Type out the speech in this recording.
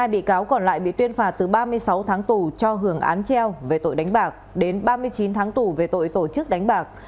một mươi bị cáo còn lại bị tuyên phạt từ ba mươi sáu tháng tù cho hưởng án treo về tội đánh bạc đến ba mươi chín tháng tù về tội tổ chức đánh bạc